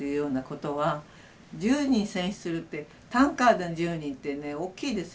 １０人戦死するってタンカーでの１０人ってね大きいですよ。